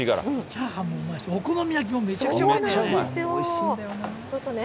チャーハンもうまいし、お好み焼きもめちゃくちゃうまいんだよね。